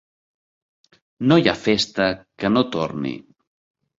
No hi ha festa que no torni.